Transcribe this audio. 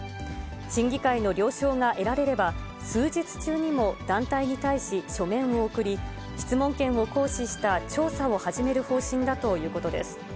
審議会の了承が得られれば、数日中にも団体に対し書面を送り、質問権を行使した調査を始める方針だということです。